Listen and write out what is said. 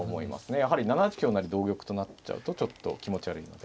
やはり７八香成同玉となっちゃうとちょっと気持ち悪いので。